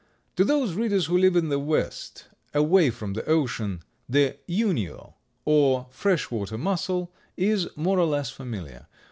To those readers who live in the West, away from the ocean, the Unio, or freshwater mussel, is more or less familiar.